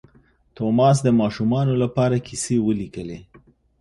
توماس د ماشومانو لپاره کیسې ولیکلې.